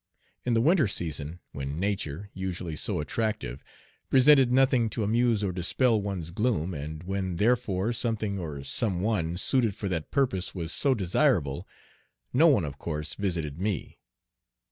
In the winter season, when nature, usually so attractive, presented nothing to amuse or dispel one's gloom, and when, therefore, something or some one suited for that purpose was so desirable, no one of course visited me.